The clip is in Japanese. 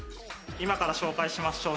今から紹介します